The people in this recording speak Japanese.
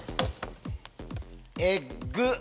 エッグ。